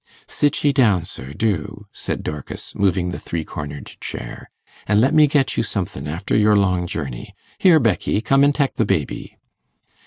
'Sit ye down, sir do,' said Dorcas, moving the three cornered chair, 'an' let me get you somethin' after your long journey. Here, Becky, come an' tek the baby.